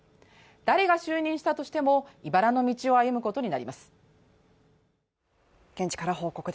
誰が就任したとしてもいばらの道を歩むことになります。